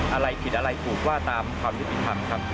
อะไรผิดอะไรถูกว่าตามความยุติธรรมครับ